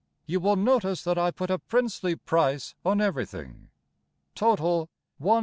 (You will notice that I put a princely price on everything), Total, 1s.